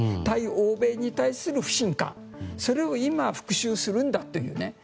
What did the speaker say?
対欧米に対する不信感それを今復讐するんだというね。